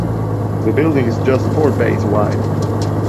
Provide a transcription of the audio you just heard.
The building is just four bays wide.